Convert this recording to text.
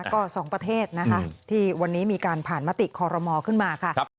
ก็๒ประเทศนะคะที่วันนี้มีการผ่านมติคอรมอขึ้นมาค่ะ